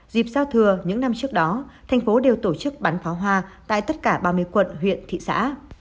dịp giao thừa những năm trước đó thành phố đều tổ chức bắn pháo hoa tại tất cả ba mươi quận huyện thị xã